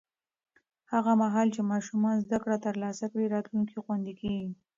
هغه مهال چې ماشومان زده کړه ترلاسه کړي، راتلونکی خوندي کېږي.